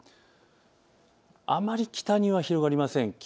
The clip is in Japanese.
あまり北には広がりません。